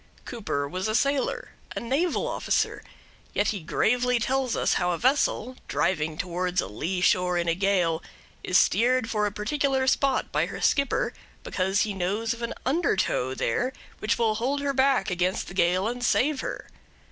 Cooper was a sailor a naval officer; yet he gravely tells us how a vessel, driving towards a lee shore in a gale, is steered for a particular spot by her skipper because he knows of an undertow there which will hold her back against the gale and save her.